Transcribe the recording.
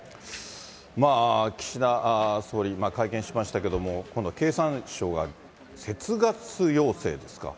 岸田総理、会見しましたけれども、今度は経産省が節ガス要請ですか。